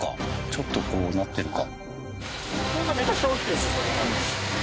ちょっとこうなってるか。